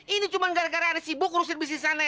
ini cuma gara gara anak sibuk urusin bisnis anak